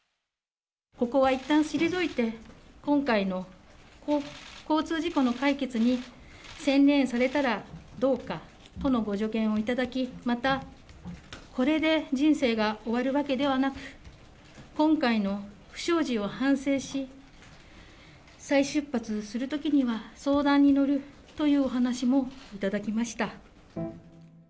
ここはいったん退いて、今回の交通事故の解決に専念されたらどうかとのご助言をいただき、また、これで人生が終わるわけではなく、今回の不祥事を反省し、再出発するときには、相談に乗るというお話も頂きました。